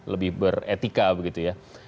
lebih beretika begitu ya